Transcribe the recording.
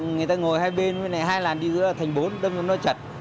người ta ngồi hai bên hai làn đi giữa thành bốn đâm vào nó chặt